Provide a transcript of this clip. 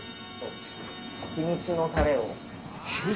秘密のたれ？